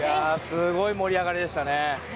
すごい盛り上がりでした。